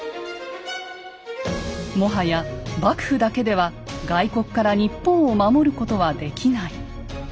もはや幕府だけでは外国から日本を守ることはできない。